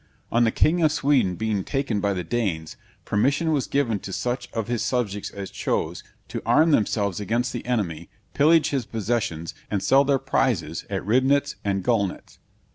On the king of Sweden being taken by the Danes, permission was given to such of his subjects as chose, to arm themselves against the enemy, pillage his possessions, and sell their prizes at Ribnitz and Golnitz.